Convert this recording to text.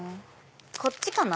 こっちかな